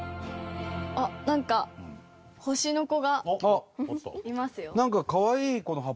あっなんか星の子がいますよ。